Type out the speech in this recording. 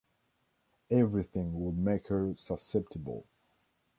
Everything would make her susceptible.